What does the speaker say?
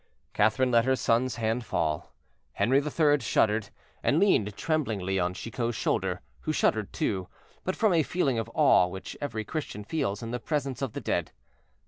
Catherine let her son's hand fall. Henri III. shuddered, and leaned tremblingly on Chicot's shoulder, who shuddered too, but from a feeling of awe which every Christian feels in the presence of the dead.